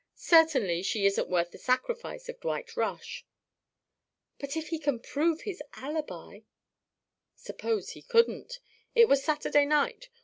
Certainly, she isn't worth the sacrifice of Dwight Rush " "But if he can prove his alibi " "Suppose he couldn't. It was Saturday night.